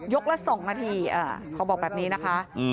ละ๒นาทีเขาบอกแบบนี้นะคะ